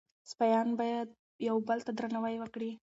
سپایان باید یو بل ته درناوی وکړي.